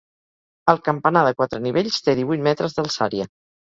El campanar de quatre nivells té divuit metres d'alçària.